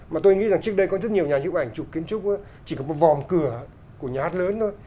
mà tôi nghĩ trước đây có rất nhiều nhà chụp ảnh kiến trúc chỉ có một vòm cửa của nhà hát lớn thôi